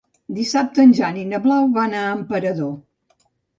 Dissabte en Jan i na Blau van a Emperador.